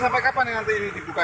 sampai kapan nanti dibuka ini pak